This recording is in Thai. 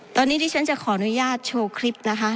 ตอนนี้ที่ฉันจะขออนุญาตโชว์คลิปนะคะ